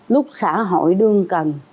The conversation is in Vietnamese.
lúc xã hội đương cần